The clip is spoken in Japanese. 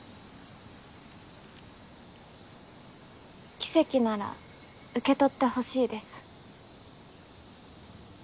奇跡なら受け取ってほしいです。